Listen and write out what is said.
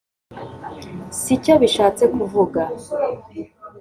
Si cyo bishatse kuvuga